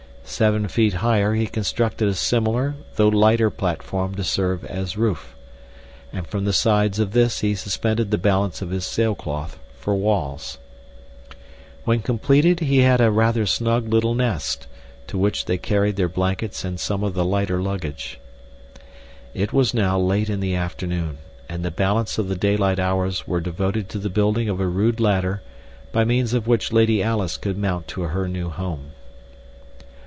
Seven feet higher he constructed a similar, though lighter platform to serve as roof, and from the sides of this he suspended the balance of his sailcloth for walls. When completed he had a rather snug little nest, to which he carried their blankets and some of the lighter luggage. It was now late in the afternoon, and the balance of the daylight hours were devoted to the building of a rude ladder by means of which Lady Alice could mount to her new home.